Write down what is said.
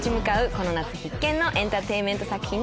この夏必見のエンターテインメント作品になっています。